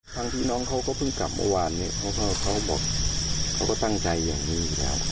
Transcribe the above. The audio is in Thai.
ทั้งที่น้องเขาก็เพิ่งกลับเมื่อวานเนี่ยเขาบอกเขาก็ตั้งใจอย่างนี้อยู่แล้ว